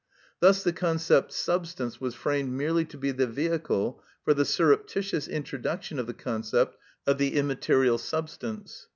Thus the concept substance was framed merely to be the vehicle for the surreptitious introduction of the concept of the immaterial substance.